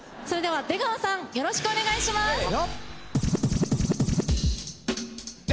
それでは出川さんよろしくお願いします。